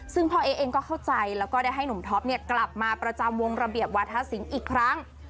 ซึ่งพ่อเอ๊เองก็เข้าใจแล้วก็ได้ให้หนุ่มท็อปกลับมาประจำวงระเบียบวาธศิลป์อีกครั้ง